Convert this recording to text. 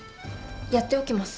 やっておきます。